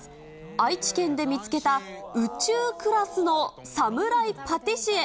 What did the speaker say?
愛知県で見つけた宇宙クラスの侍パティシエ。